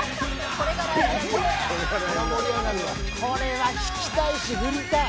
これは聴きたいし振りたい。